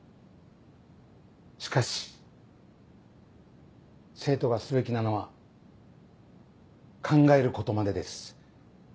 しかし生徒がすべきなのは考えることまでです。